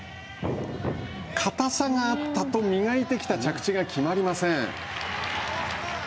固さがあったと、磨いてきた着地が決まりません。